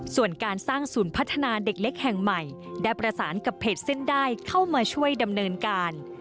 ส่วนการสร้างศูนย์พัฒนาเด็กเล็กแห่งใหม่ได้ประสานกับเพจเส้นได้เข้ามาช่วยดำเนินการ